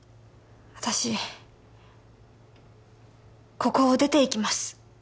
私ここを出ていきます